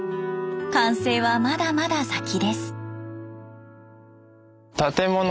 完成はまだまだ先です。